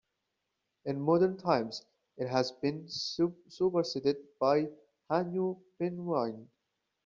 In modern times, it has been superseded by Hanyu Pinyin.